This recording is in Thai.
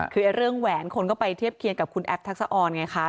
คือเรื่องแหวนคนก็ไปเทียบเคียงกับคุณแอฟทักษะออนไงคะ